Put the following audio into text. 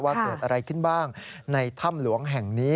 ว่าเกิดอะไรขึ้นบ้างในถ้ำหลวงแห่งนี้